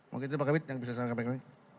mungkin itu pak kabit yang bisa sampaikan